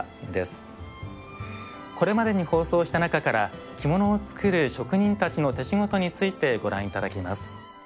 これまでに放送した中から着物を作る職人たちの手仕事についてご覧頂きます。